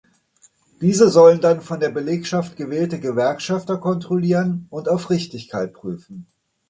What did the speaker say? Diese sollen dann von der Belegschaft gewählte Gewerkschafter kontrollieren und auf Richtigkeit prüfen.